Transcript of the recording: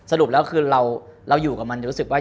สรุปแล้วคือเราอยู่กับมันจะรู้สึกว่า